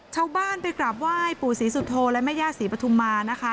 ชาวบ้านไปกราบไหว้ปู่ศรีสุโธและแม่ย่าศรีปฐุมมานะคะ